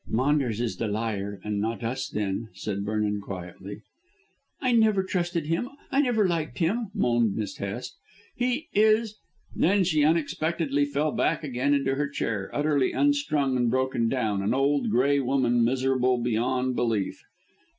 "Maunders is the liar and not us, then," said Vernon quietly. "I never trusted him, I never liked him," moaned Miss Hest; "he is " Then she unexpectedly fell back again into her chair, utterly unstrung and broken down, an old, grey woman, miserable beyond belief.